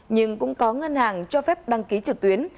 nhưng cũng có ngân hàng cho phép đăng ký trực tuyến